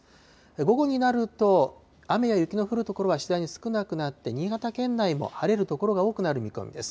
午後になると、雨や雪の降る所は次第に少なくなって、新潟県内も晴れる所が多くなる見込みです。